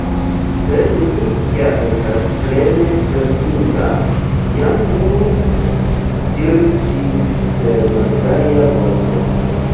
« Sed mi ja estas plene kreskinta jam nun" diris ŝi per malgaja voĉo.